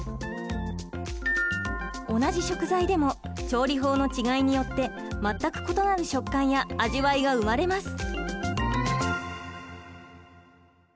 同じ食材でも調理法の違いによって全く異なる食感や味わいが生まれます。